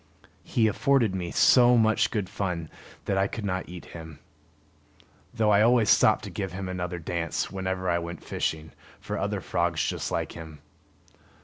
He afforded me so much good fun that I could not eat him; though I always stopped to give him another dance, whenever I went fishing for other frogs just like him.